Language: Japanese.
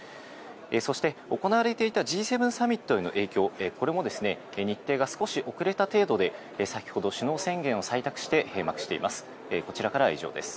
そして、行われていたＧ７サミットへの影響、これも日程が少し遅れた程度で、先ほど首脳宣言を採択して閉幕しています。